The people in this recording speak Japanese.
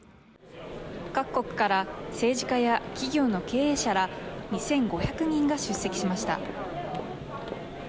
各国から政治家や企業の経営者ら２５００人が出席しました。